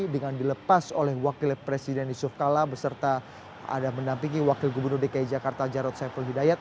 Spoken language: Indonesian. dengan dilepas oleh wakil presiden yusuf kala beserta ada mendampingi wakil gubernur dki jakarta jarod saiful hidayat